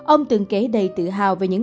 ông từng kể đầy tự hào về những